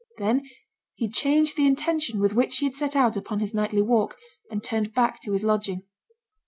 Then he changed the intention with which he had set out upon his nightly walk, and turned back to his lodging.